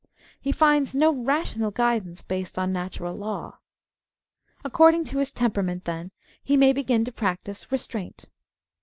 He finds no rational guidance based on natural law. According to his temperament then, he may begin to practise " restraint."